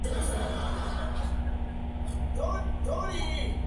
Charlot decide probar suerte con la niñera.